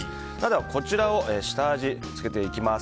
こちらをした味付けていきます。